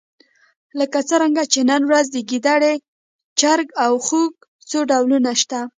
لکه څرنګه چې نن ورځ د ګېدړې، چرګ او خوګ څو ډولونه شته.